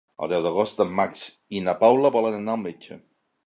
El deu d'agost en Max i na Paula volen anar al metge.